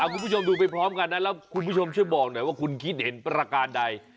คุณผู้ชมดูไปพร้อมกันนะแล้วคุณผู้ชมช่วยบอกหน่อยว่าคุณคิดเห็นประการใด